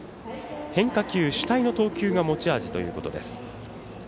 変化球主体のピッチングが持ち味ということです。